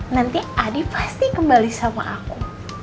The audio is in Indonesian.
nanti adi pasti kembali sama aku